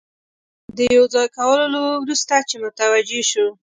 د یو ځای کولو وروسته چې متوجه شو.